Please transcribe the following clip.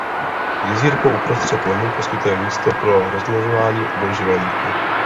Jezírko uprostřed lomu poskytuje místo pro rozmnožování obojživelníků.